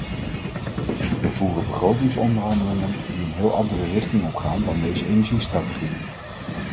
We voeren begrotingsonderhandelingen die een heel andere richting opgaan dan deze energiestrategie.